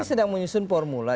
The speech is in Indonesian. ini sedang menyusun formula